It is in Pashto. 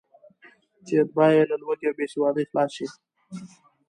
چې اتباع یې له لوږې او بېسوادۍ خلاص شي.